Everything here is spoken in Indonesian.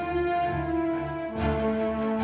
kita pulang dulu